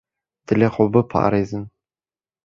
Dilê xwe biparêzin.